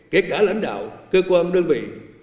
kể cả lãnh đạo cơ quan đơn vị